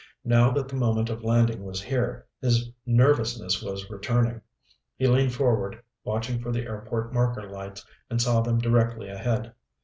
Now that the moment of landing was here, his nervousness was returning. He leaned forward, watching for the airport marker lights and saw them directly ahead.